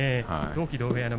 同期、同部屋の翠